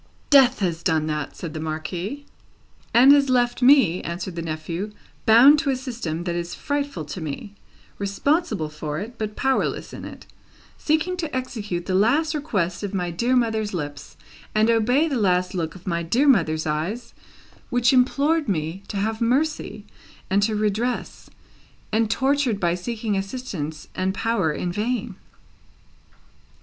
"Death has done that!" said the Marquis. "And has left me," answered the nephew, "bound to a system that is frightful to me, responsible for it, but powerless in it; seeking to execute the last request of my dear mother's lips, and obey the last look of my dear mother's eyes, which implored me to have mercy and to redress; and tortured by seeking assistance and power in vain."